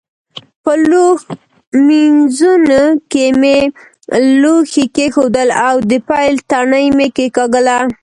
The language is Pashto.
په لوښ مینځوني کې مې لوښي کېښودل او د پیل تڼۍ مې کېکاږله.